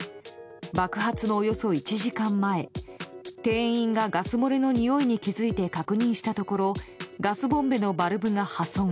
爆発のおよそ１時間前、店員がガス漏れのにおいに気づいて確認したところガスボンベのバルブが破損。